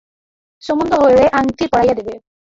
সোমোন্দ হইলে আংটি পরাইয়া দেবে।